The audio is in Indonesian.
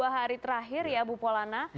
dua hari terakhir ya bu polana